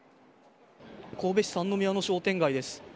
神戸市三宮の商店街です。